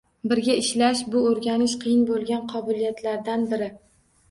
Birga ishlash – bu oʻrganish qiyin boʻlgan qobiliyatlardan biri.